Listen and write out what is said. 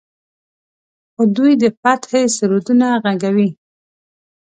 خو دوی د فتحې سرودونه غږوي.